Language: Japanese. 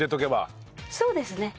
そうですね。